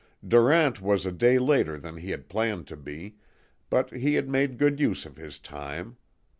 Durant was a day later than he had planned to be, but he had made good use of his time.